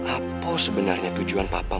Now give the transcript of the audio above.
apa sebenarnya tujuan papa wajar